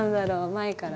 前から。